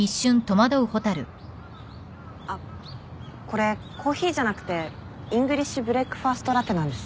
あっこれコーヒーじゃなくてイングリッシュブレックファーストラテなんです。